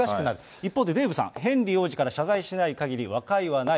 一方、デーブさん、ヘンリー王子から謝罪しないかぎり和解はない。